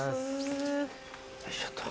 よいしょと。